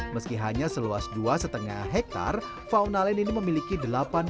meski hanya seluas dua lima hektar fauna land ini memiliki delapan puluh lima spesies binatang